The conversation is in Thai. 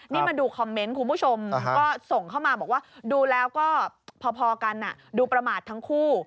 นี่มาดูคอมเมนต์คุณผู้ชมก็ส่งเข้ามาบอกว่าดูแล้วก็พอกันดูประมาททั้งคู่